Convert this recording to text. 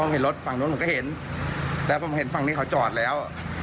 มันเป็นมาแล้ว